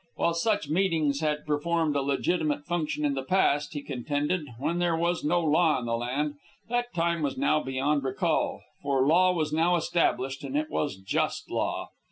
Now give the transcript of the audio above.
While such meetings had performed a legitimate function in the past, he contended, when there was no law in the land, that time was now beyond recall; for law was now established, and it was just law.